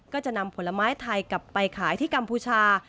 ก็จะนำผลไม้ไทยกลับไปขายที่กัมพูชา